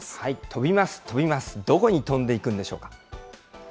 飛びます、飛びます、どこに飛んでいくんでしょうか。